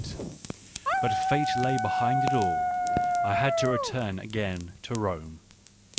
But Fate lay behind it all : I had to return again to Rome.